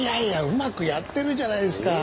うまくやってるじゃないですか。